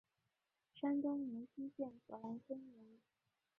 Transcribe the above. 山东莱西县索兰村人。